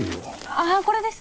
ああこれです！